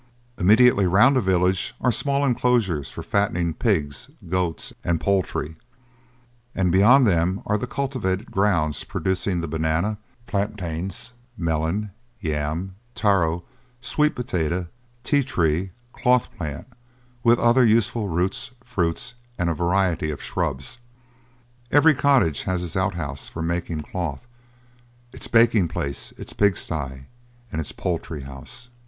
Immediately round the village are small enclosures for fattening pigs, goats, and poultry; and beyond them are the cultivated grounds producing the banana, plantain, melon, yam, taro, sweet potatoes, tee tree, cloth plant, with other useful roots, fruits, and a variety of shrubs. Every cottage has its out house for making cloth, its baking place, its pig sty, and its poultry house.